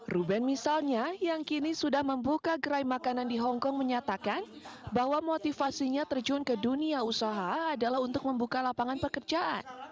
ruben misalnya yang kini sudah membuka gerai makanan di hongkong menyatakan bahwa motivasinya terjun ke dunia usaha adalah untuk membuka lapangan pekerjaan